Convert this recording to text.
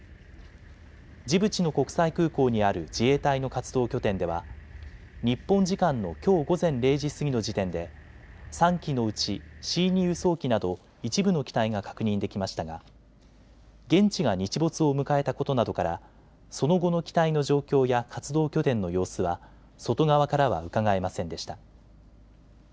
ジブチの国際空港にある自衛隊の活動拠点では日本時間のきょう午前０時過ぎの時点で３機のうちＣ２輸送機など一部の機体が確認できましたが現地が日没を迎えたことなどからその後の機体の状況や活動拠点の様子は外側からはうかがえませんでした。